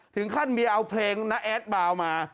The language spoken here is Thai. ถึงขั้นมีเอาเพลงน้าแอดบาวมา